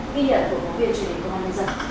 ghi nhận của báo viên truyền hình công an tp hải phòng